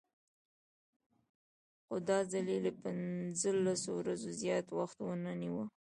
خو دا ځل یې له پنځلسو ورځو زیات وخت ونه نیوه.